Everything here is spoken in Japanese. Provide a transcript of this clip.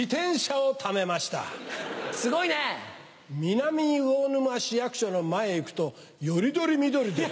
南魚沼市役所の前へ行くとより取り見取りです。